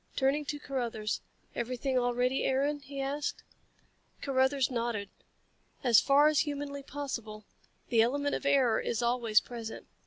Turning to Carruthers. "Everything all ready, Aaron?" he asked. Carruthers nodded. "As far as humanly possible. The element of error is always present.